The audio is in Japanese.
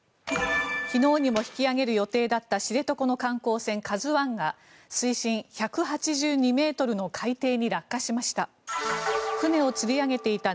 昨日にも引き揚げる予定だった知床の観光船「ＫＡＺＵ１」が水深１８２ｍの海底に落下しました。